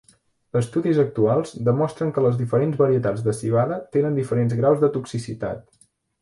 Estudis actuals demostren que les diferents varietats de civada tenen diferents graus de toxicitat.